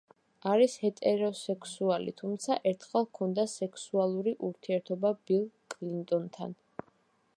არის ჰეტეროსექსუალი, თუმცა, ერთხელ ჰქონდა სექსუალური ურთიერთობა ბილ კლინტონთან.